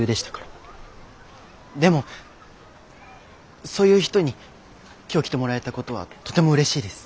でもそういう人に今日来てもらえたことはとてもうれしいです。